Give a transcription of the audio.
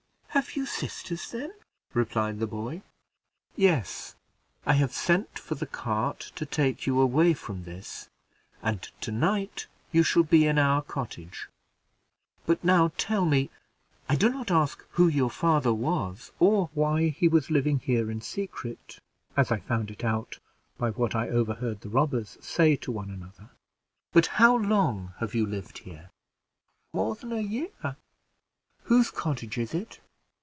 "Have you sisters, then?" replied the boy. "Yes; I have sent for the cart to take you away from this, and to night you shall be in our cottage; but now tell me I do not ask who your father was, or why he was living here in secret, as I found it out by what I overheard the robbers say to one another but how long have you lived here?" "More than a year." "Whose cottage is it?"